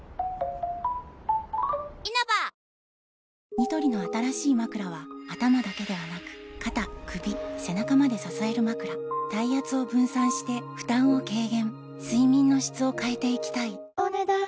ニトリの新しいまくらは頭だけではなく肩・首・背中まで支えるまくら体圧を分散して負担を軽減睡眠の質を変えていきたいお、ねだん以上。